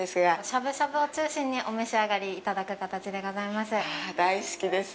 しゃぶしゃぶを中心にお召し上がりいただく形でございます。